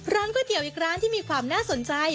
ก๋วยเตี๋ยวอีกร้านที่มีความน่าสนใจ